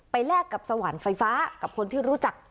แลกกับสวรรค์ไฟฟ้ากับคนที่รู้จัก